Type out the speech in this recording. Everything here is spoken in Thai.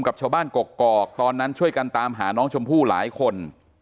กับชาวบ้านกกอกตอนนั้นช่วยกันตามหาน้องชมพู่หลายคน